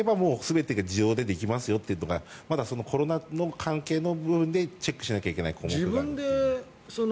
コロナがなければ全てが自動でできますよというのがまだコロナの関係の部分でチェックしないといけない項目があるという。